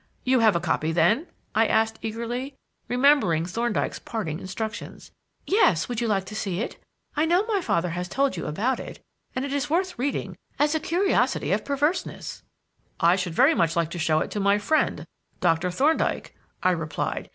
"You have a copy then?" I asked eagerly, remembering Thorndyke's parting instructions. "Yes. Would you like to see it? I know my father has told you about it, and it is worth reading as a curiosity of perverseness." "I should very much like to show it to my friend, Doctor Thorndyke," I replied.